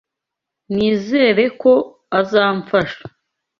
Nizere ko azamfasha.